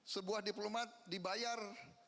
sebuah diplomat dibayar